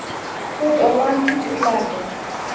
To’rt o’g’lon tinch uxlardi